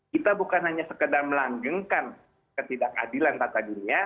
kita bukan hanya sekedar melanggengkan ketidakadilan tata dunia